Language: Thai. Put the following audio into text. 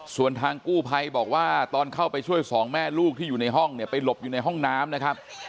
ส่วนทางกู้ภัยบอกว่าตอนเข้าไปช่วยสองแม่ลูกที่อยู่ในห้องเนี่ยไปหลบอยู่ในห้องน้ำนะครับ